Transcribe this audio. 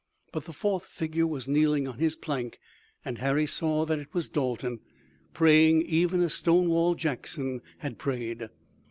But the fourth figure was kneeling on his plank and Harry saw that it was Dalton, praying even as Stonewall Jackson had prayed.